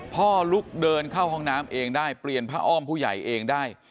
ลูกเดินเข้าห้องน้ำเองได้เปลี่ยนผ้าอ้อมผู้ใหญ่เองได้